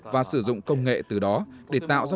và sử dụng công nghệ từ đó để tạo ra